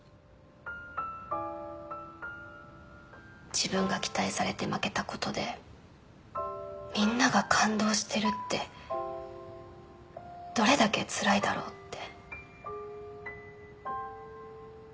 自分が期待されて負けたことでみんなが感動してるってどれだけつらいだろうって。